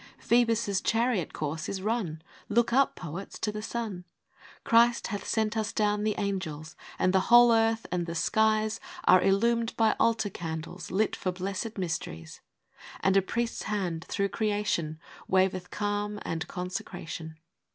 Phoebus' chariot course is run ! Look up, poets, to the sun ! Christ hath sent us down the angels; And the whole earth and the skies Are illumed by altar candles TRUTH. 35 Lit for blessed mysteries ; And a Priest's Hand, through creation, Waveth calm and consecration.